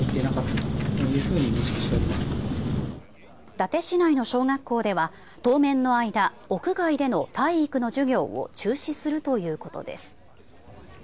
伊達市内の小学校では当面の間、屋外での体育の授業を中止するということです。